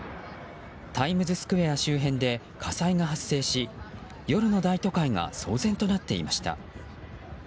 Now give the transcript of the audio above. タイムズスクエア周辺で火災が発生し夜の大都会が騒然となっていました。